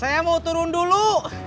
saya mau turun dulu